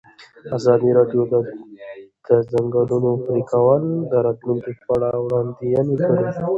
ازادي راډیو د د ځنګلونو پرېکول د راتلونکې په اړه وړاندوینې کړې.